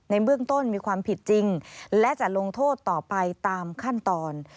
ในเบื้องต้นมีความผิดจริงและจะลงโทษต่อไปตามขั้นตอน